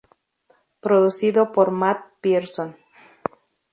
Producido por Matt Pierson.